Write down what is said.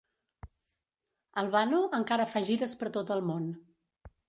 Al Bano encara fa gires per tot el món.